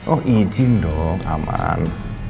oh ijin dong aman